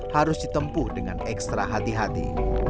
harus ditempuh dengan ekstra hati hati